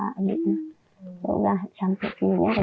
alhamdulillah cantik ini ya